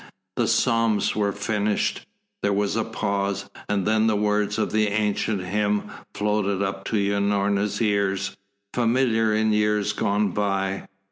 The psalms were finished. There was a pause, and then the words of the ancient hymn floated up to Unorna's ears, familiar in years gone by.